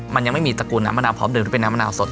มันยังไม่มีตระกูลน้ำมะนาวพร้อมเดิมหรือเป็นน้ำมะนาวสด